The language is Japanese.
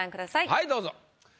はいどうぞ。